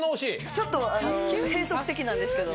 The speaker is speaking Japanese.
ちょっと変則的なんですけど。